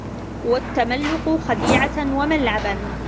وَالتَّمَلُّقَ خَدِيعَةً وَمَلْعَبًا